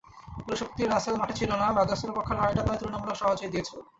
পুরো শক্তির রাসেল মাঠে ছিল না, ব্রাদার্সের পক্ষে লড়াইটা তাই তুলনামূলক সহজই হয়েছে।